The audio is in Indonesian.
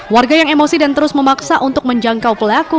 warga yang emosi dan terus memaksa untuk menjangkau pelaku